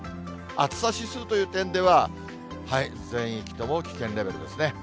暑さ指数という点では、全域とも危険レベルですね。